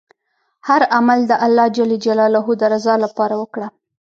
هر عمل د الله ﷻ د رضا لپاره وکړه.